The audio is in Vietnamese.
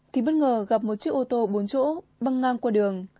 thì bất ngờ gặp một chiếc ô tô bốn chỗ băng ngang qua đường